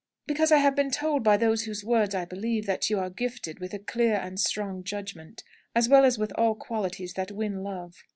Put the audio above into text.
"Because I have been told by those whose words I believe, that you are gifted with a clear and strong judgment, as well as with all qualities that win love."